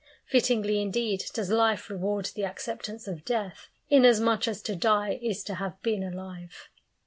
Fittingly indeed does life reward the acceptance of death, inasmuch as to die is to have been alive.